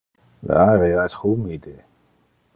Le area es humide.